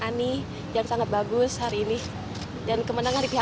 ada yang menett polish terbebak dengan pelan kerja